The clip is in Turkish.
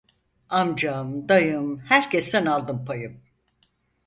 Amcam dayım herkesten aldım payım.